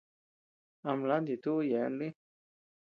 Ama lanti ñeʼe túʼu yeabean lï.